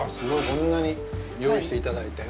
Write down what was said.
こんなに用意していただいて。